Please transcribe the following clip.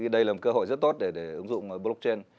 đây là một cơ hội rất tốt để ứng dụng blockchain